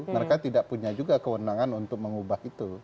mereka tidak punya juga kewenangan untuk mengubah itu